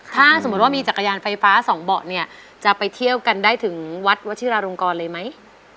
ถ้าสมมุติว่ามีจักรยานไฟฟ้าสองเบาะเนี่ยจะไปเที่ยวกันได้ถึงวัดวชิราลงกรเลยไหม